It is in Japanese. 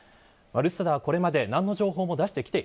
ＲＵＳＡＤＡは、これまで何の情報も出してきて